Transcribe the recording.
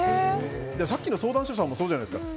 さっきの相談者さんもそうじゃないですか。